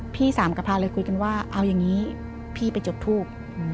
พี่สามกับพาเลยคุยกันว่าเอาอย่างนี้พี่ไปจุดทูบ